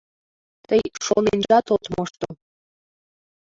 — Тый шоненжат от мошто.